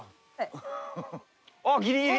あっギリギリ。